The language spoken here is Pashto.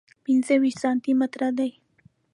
پنځه ویشت سانتي متره دی.